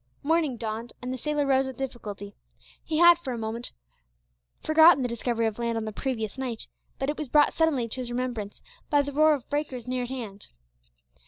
Morning dawned, and the sailor rose with difficulty. He had forgotten, for a moment, the discovery of land on the previous night, but it was brought suddenly to his remembrance by the roar of breakers near at hand.